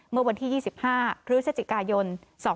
เมื่อวันที่๒๕หรือเศรษฐกายน๒๕๕๘